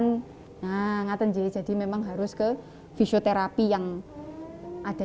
nek ma'am angel atau apa